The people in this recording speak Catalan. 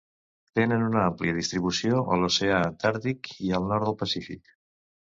Tenen una àmplia distribució a l'oceà Antàrtic i el nord del Pacífic.